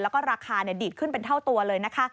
แล้วก็ราคาดีดขึ้นเป็นเท่าตัวเลยนะคะ